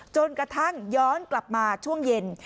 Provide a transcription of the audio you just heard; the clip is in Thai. จนกระทั่งย้อนกลับมาช่วงเย็น